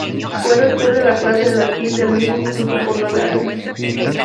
Fue rector de la clase de latín del mismo instituto por nueve años.